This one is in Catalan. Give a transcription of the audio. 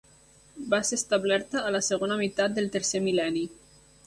Va ser establerta a la segona meitat del tercer mil·lenni.